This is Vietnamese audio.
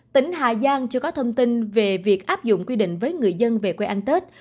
tỉnh hà giang chưa có thông tin về việc áp dụng quy định với người dân về quê ăn tết